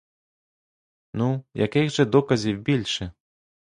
Ну, яких же доказів більше?